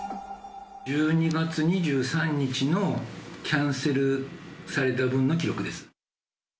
１２月２３日のキャンセルされた分の記録です。